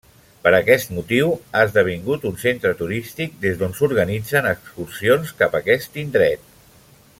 Per aquest motiu ha esdevingut un centre turístic des d'on s'organitzen excursions cap aquest indret.